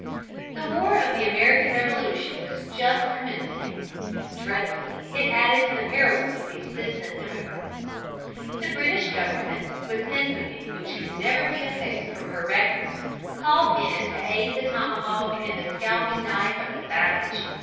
The war of the American Revolution was just commencing. Dreadfully it added to the perils of these distant emigrants. The British Government, with infamy which can never be effaced from her records, called in to her aid the tomahawk and the scalping knife of the savage.